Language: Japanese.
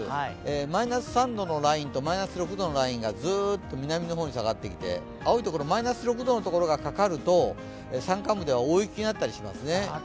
マイナス３度のラインとマイナス６度のラインがずっと南の方に下がってきて、マイナス６度のラインが山間部では大雪になったりしますね。